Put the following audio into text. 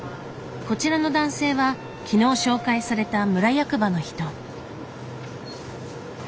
こちらの男性は昨日紹介された村役場の人。